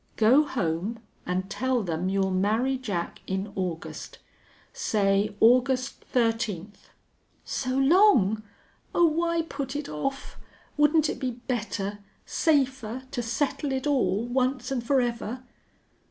Go home an' tell them you'll marry Jack in August. Say August thirteenth." "So long! Oh, why put it off? Wouldn't it be better safer, to settle it all once and forever?"